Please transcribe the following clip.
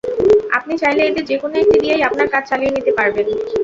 আপনি চাইলে এদের যেকোনো একটি দিয়েই আপনার কাজ চালিয়ে নিতে পারবেন।